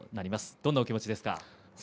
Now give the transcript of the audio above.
どんな気持ちですか。